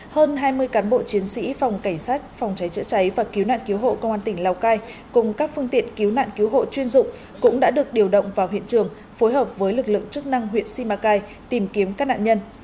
hơn hai mươi cán bộ chiến sĩ phòng cảnh sát phòng cháy chữa cháy và cứu nạn cứu hộ công an tỉnh lào cai cùng các phương tiện cứu nạn cứu hộ chuyên dụng cũng đã được điều động vào hiện trường phối hợp với lực lượng chức năng huyện simacai tìm kiếm các nạn nhân